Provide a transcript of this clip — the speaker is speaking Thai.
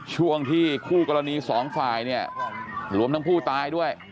ช่วงที่คู่กรณีสองฝ่ายเนี่ยรวมทั้งผู้ตายด้วย